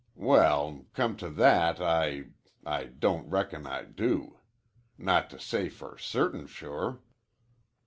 "Well, come to that I I don't reckon I do. Not to say for certain sure."